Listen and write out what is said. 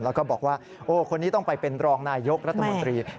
แล้วก็บอกว่าโอ้คนนี้ต้องไปเป็นรองนายยกรัฐมนตรี